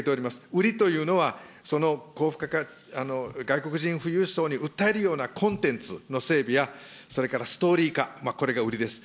売りというのは、その高付加価値、外国人富裕層に訴えるようなコンテンツの整備や、それからストーリー化、これが売りです。